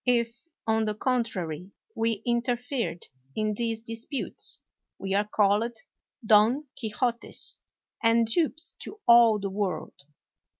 If, on the contrary, we interfered in these disputes, we are called Don Quixotes, and dupes to all the world.